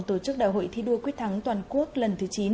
tổ chức đại hội thi đua quyết thắng toàn quốc lần thứ chín